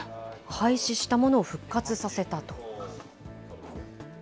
廃止したものを復活させたと。